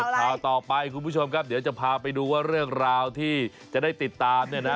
ข่าวต่อไปคุณผู้ชมครับเดี๋ยวจะพาไปดูว่าเรื่องราวที่จะได้ติดตามเนี่ยนะ